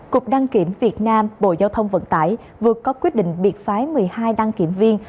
cục đăng kiểm việt nam bộ giao thông vận tải vừa có quyết định biệt phái một mươi hai đăng kiểm viên